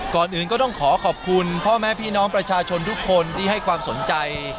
ก่อนอื่นก็ต้องขอขอบคุณพ่อแม่พี่น้องประชาชนทุกคนที่ให้ความสนใจ